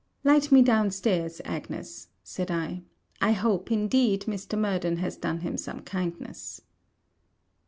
'Light me down stairs, Agnes,' said I. 'I hope, indeed, Mr. Murden has done him some kindness.'